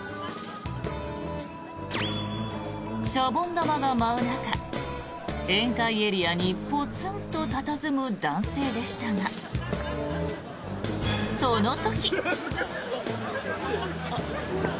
シャボン玉が舞う中宴会エリアにポツンと佇む男性でしたがその時。